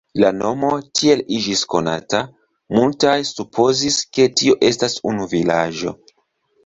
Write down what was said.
La nomo tiel iĝis konata, multaj supozis, ke tio estas unu vilaĝo.